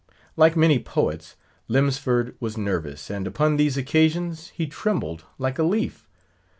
Like many poets, Lemsford was nervous, and upon these occasions he trembled like a leaf.